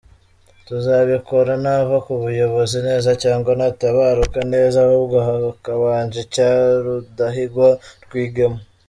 tuzabikora nava ku buyobozi neza cg natabaruka neza, ahubwo hakabanje icya rudahigwa, rwigema.